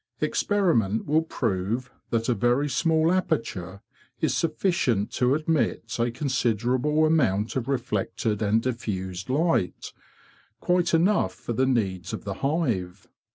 Experiment will prove that a very small aperture is sufficient to admit a considerable amount of reflected and diffused light, quite enough for the needs of the hive.